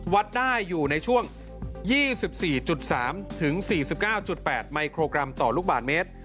วัดได้อยู่ในช่วง๒๔๓๔๙๘มิโครกรัมต่อลูกบาทเมตร